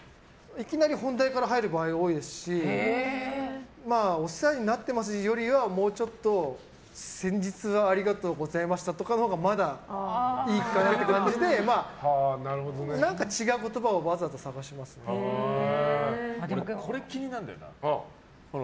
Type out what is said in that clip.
いきなり本題から入る場合が多いですし「お世話になっています」よりはもうちょっと「先日はありがとうございました」とかがまだいいかなっていう感じで何か違う言葉をこれ気になるんだよな。